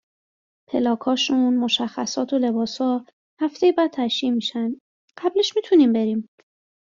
پلاکاشون، مشخصات و لباسا هفتهی بعد تشیع میشن، قبلش میتونیم بریم